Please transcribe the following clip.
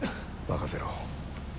任せろ。